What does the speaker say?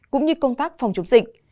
cũng như công tác phòng chống dịch